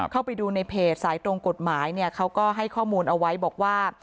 เข้าไปดูในเพจสายตรงกฎหมายเนี่ยเขาก็ให้ข้อมูลเอาไว้บอกว่า